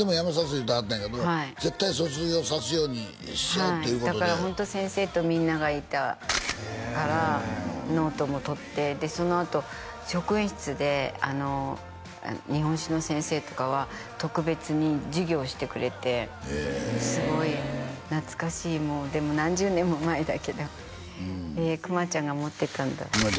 言うてはったんやけど絶対卒業さすようにしようということでだからホント先生とみんながいたからノートもとってでそのあと職員室で日本史の先生とかは特別に授業してくれてすごい懐かしいもうでも何十年も前だけどへえくまちゃんが持ってたんだ